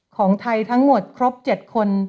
ของไทยทั้งหมดครบ๗คน